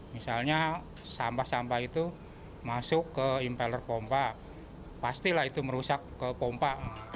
misalnya sampah sampah itu masuk ke impeler pompa pastilah itu merusak ke pompa